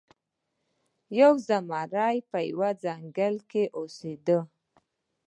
یو زمری په یوه ځنګل کې اوسیده.